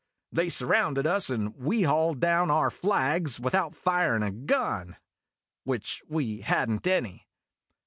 They surrounded us, and we hauled down our flags without firin' a gun which we had n't any.